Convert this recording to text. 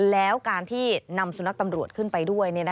แล้วการที่นำสุนัขตำรวจขึ้นไปด้วย